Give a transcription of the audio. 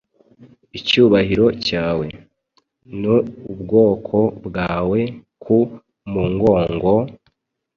Icyubahiro cyawe, n ubwoko bwawe ku mungongo,